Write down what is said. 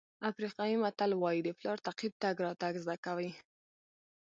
افریقایي متل وایي د پلار تعقیب تګ راتګ زده کوي.